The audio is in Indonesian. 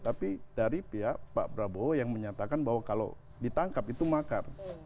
tapi dari pihak pak prabowo yang menyatakan bahwa kalau ditangkap itu makar